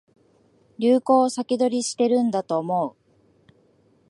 流行を先取りしてるんだと思う